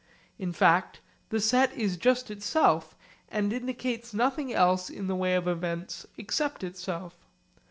In fact the set is just itself and indicates nothing else in the way of events, except itself.